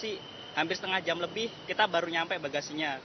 di bagasi hampir setengah jam lebih kita baru sampai bagasinya